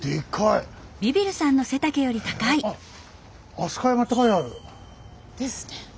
飛鳥山って書いてある。ですね。